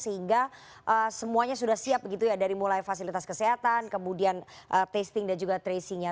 sehingga semuanya sudah siap begitu ya dari mulai fasilitas kesehatan kemudian testing dan juga tracingnya